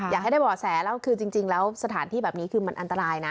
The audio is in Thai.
อยากให้ได้บ่อแสแล้วคือจริงแล้วสถานที่แบบนี้คือมันอันตรายนะ